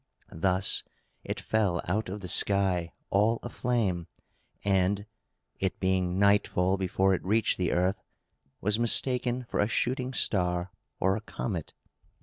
Thus it fell out of the sky, all a flame, and (it being nightfall before it reached the earth) was mistaken for a shooting star or a comet.